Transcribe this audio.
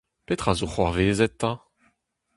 Petra zo c'hoarvezet 'ta ?